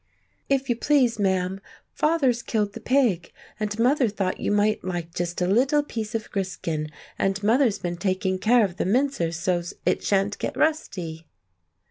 "If you please, ma'am, father's killed the pig, and mother thought you might like just a little piece of griskin, and mother's been taking care of the mincer so's it shan't get rusty."